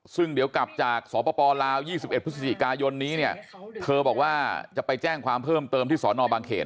ซึ่งเดี๋ยวกลับจากสปลาว๒๑พฤศจิกายนนี้เนี่ยเธอบอกว่าจะไปแจ้งความเพิ่มเติมที่สอนอบางเขน